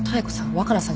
若菜さん。